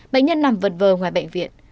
bệnh nhân nằm vật vờ ngoài bệnh viện